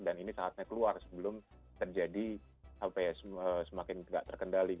dan ini saatnya keluar sebelum terjadi semakin tidak terkendali